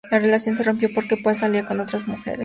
La relación se rompió porque Paz salía con otras mujeres.